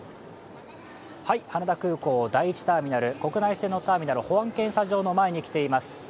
羽田空港第１ターミナル、国内線のターミナル、保安検査場の前に来ています。